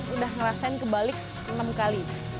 udah ngerasain kebalik enam kali